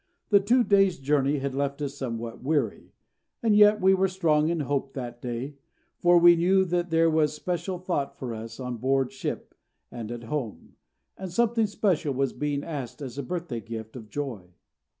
The two days' journey had left us somewhat weary; and yet we were strong in hope that day, for we knew there was special thought for us on board ship and at home, and something special was being asked as a birthday gift of joy.